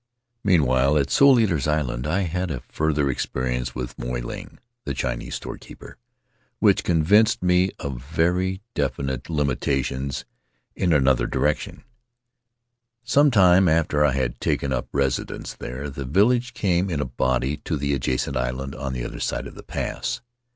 Meanwhile, at Soul Eaters' Island, I had a further experience with Mov Ling, the Chinese store Costly Hospitality keeper, which convinced me of very definite limitations in another direction. Some time after I had taken up residence there the village came in a body to the adjacent island on the other side of the pass.